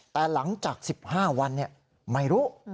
แต่หลังจาก๑๕วันไม่รู้